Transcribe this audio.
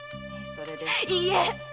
いいえ！